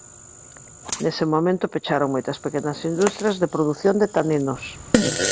Nese momento pecharon moitas pequenas industrias de produción de taninos.